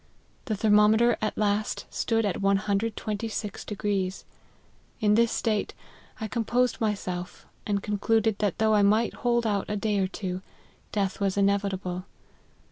The thermometer at last stood at 126 ; in this state I composed my self, and concluded that though I might hold out a day or two, death was inevitable.